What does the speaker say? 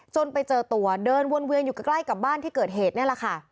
ไปเจอตัวเดินวนเวียนอยู่ใกล้กับบ้านที่เกิดเหตุนี่แหละค่ะ